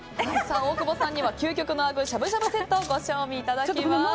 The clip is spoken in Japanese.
大久保さんには究極のあぐーしゃぶしゃぶセットご賞味いただきます。